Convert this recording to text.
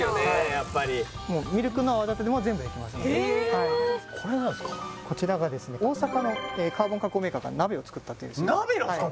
やっぱりミルクの泡立ても全部できますねこちらがですね大阪のカーボン加工メーカーが鍋を作ったという鍋なんですか